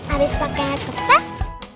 abis pake kertas